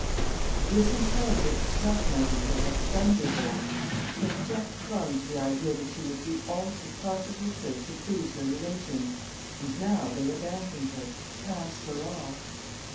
This intelligence struck Marie like a thunderbolt: she had just clung to the idea that she would do all she possibly could to please her relations, and now they abandoned her cast her off.